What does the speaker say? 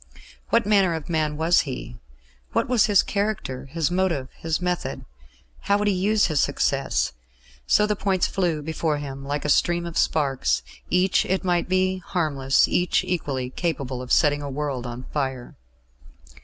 What manner of man was he? What was his character, his motive, his method? How would he use his success?... So the points flew before him like a stream of sparks, each, it might be, harmless; each, equally, capable of setting a world on fire.